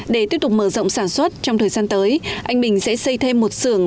để tiếp tục mở rộng sản xuất trong thời gian tới anh bình sẽ xây thêm một sưởng